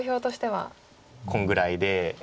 こんぐらいで。